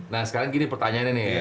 nah sekarang gini pertanyaannya nih ya